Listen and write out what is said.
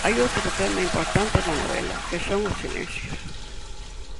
Hai outro tema importante na novela, que son os silencios.